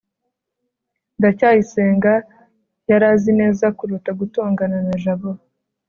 ndacyayisenga yari azi neza kuruta gutongana na jabo